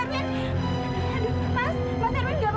tidak ada pak